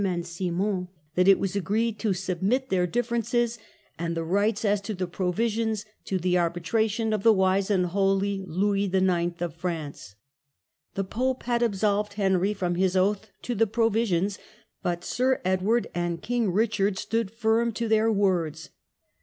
73 and Simon that it was agreed to submit their differences, and the rights as to the Provisions, to the arbitration of the wise and holy Louis IX. of France. The pope had absolved Henry from his oath to the Provisions, but Sir Edward and King Richard stood firm to their words.